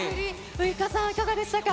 ウイカさん、いかがでしたか。